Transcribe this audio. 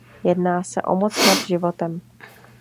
Jedná se o moc nad životem.